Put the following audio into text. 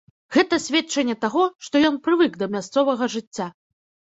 Гэта сведчанне таго, што ён прывык да мясцовага жыцця!